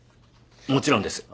もちろんです。